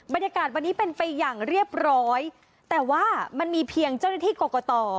บรรยากาศวันนี้เป็นไปอย่างเรียบร้อยแต่ว่ามันมีเพียงเจ้าหน้าที่กรกต